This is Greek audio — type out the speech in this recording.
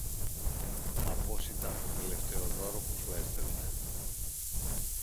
μα πως ήταν το τελευταίο δώρο που σου έστελνε